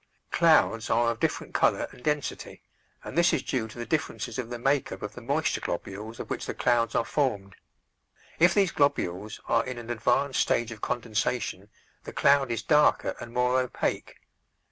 Clouds are of different color and density, and this is due to the differences of the make up of the moisture globules of which the clouds are formed. If these globules are in an advanced stage of condensation the cloud is darker and more opaque.